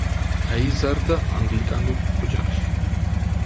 გაიზარდა ანგლიკანურ ოჯახში.